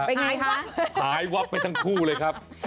เป็นอย่างไรคะหายหวับไปทั้งด้วยครับ